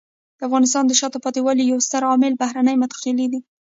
د افغانستان د شاته پاتې والي یو ستر عامل بهرنۍ مداخلې دي.